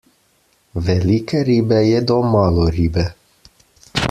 Velike ribe jedo malo ribe.